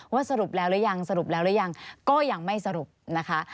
สรุปแล้วหรือยังสรุปแล้วหรือยังก็ยังไม่สรุปนะคะ